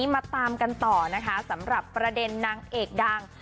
มาตามกันต่อนะคะสำหรับประเด็นนางเอกดัง